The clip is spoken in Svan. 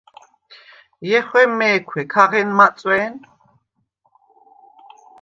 ჲეხვემ მე̄ქვე: ქა ღენ მაწვე̄ნ!